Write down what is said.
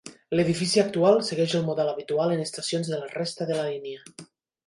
L'edifici actual segueix el model habitual en estacions de la resta de la línia.